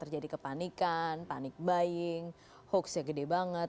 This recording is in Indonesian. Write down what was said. terjadi kepanikan panic buying hoax nya gede banget